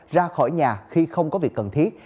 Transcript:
ra khỏi nhà khi không có việc cần thiết